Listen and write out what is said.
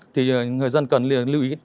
thì người dân cần lưu ý